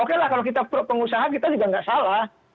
okelah kalau kita pro pengusaha kita juga tidak salah